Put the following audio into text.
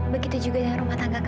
begitu juga dengan rumah tangga